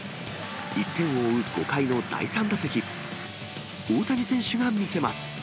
１点を追う５回の第３打席、大谷選手が見せます。